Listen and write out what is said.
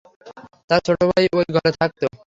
তার ছোট ভাই, ওই ঘরে থাকতো।